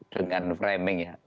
dengan framing ya